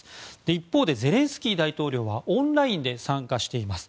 一方でゼレンスキー大統領はオンラインで参加しています。